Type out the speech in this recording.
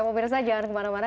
mungkin saya jangan kemana mana